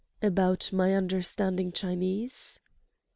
"About my understanding Chinese?"